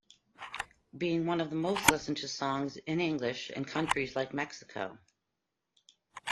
Being one of the most listened to songs in English in countries like Mexico.